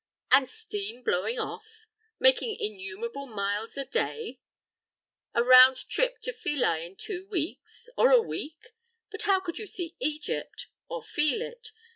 And steam blowing off? Making innumerable miles a day? The round trip to Philæ in two weeks, or a week? But how could you see Egypt, or feel it?